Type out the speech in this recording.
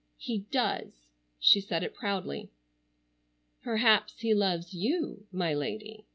"He does." She said it proudly. "Perhaps he loves you, my lady."